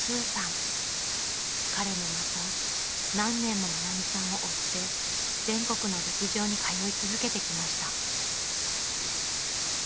［彼もまた何年も愛美さんを追って全国の劇場に通い続けてきました］